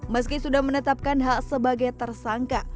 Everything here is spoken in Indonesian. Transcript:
meski sudah menetapkan hak sebagai tersangka